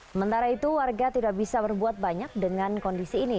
sementara itu warga tidak bisa berbuat banyak dengan kondisi ini